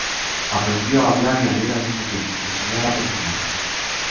Aprendió a hablar y a leer al mismo tiempo, enseñada por su madre.